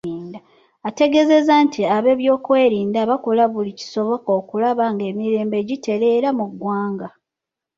Ategeezeza nti abeebyokwerinda bakola buli kisoboka okulaba ng’emirembe gitereera mu ggwanga.